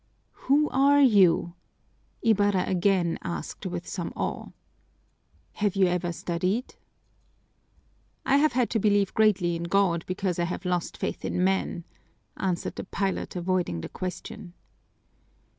"Who are you?" Ibarra again asked with some awe. "Have you ever studied?" "I have had to believe greatly in God, because I have lost faith in men," answered the pilot, avoiding the question.